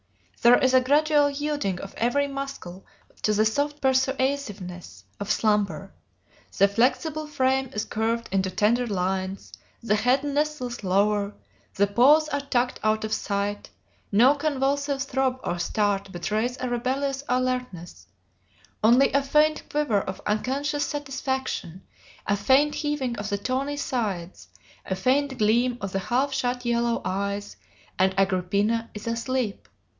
There is a gradual yielding of every muscle to the soft persuasiveness of slumber: the flexible frame is curved into tender lines, the head nestles lower, the paws are tucked out of sight: no convulsive throb or start betrays a rebellious alertness: only a faint quiver of unconscious satisfaction, a faint heaving of the tawny sides, a faint gleam of the half shut yellow eyes, and Agrippina is asleep.